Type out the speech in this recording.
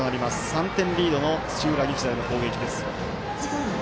３点リードの土浦日大の攻撃です。